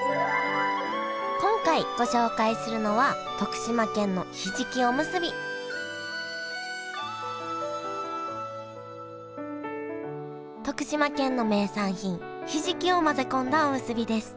今回ご紹介するのは徳島県の名産品ひじきを混ぜ込んだおむすびです。